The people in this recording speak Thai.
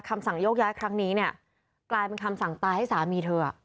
คำสั่งโยกย้ายครั้งนี้เนี่ยกลายเป็นคำสั่งตายให้สามีเธอ